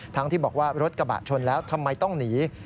ที่บอกว่ารถกระบะชนแล้วทำไมต้องหนี